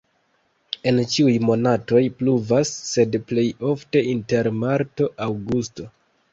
En ĉiuj monatoj pluvas, sed plej ofte inter marto-aŭgusto.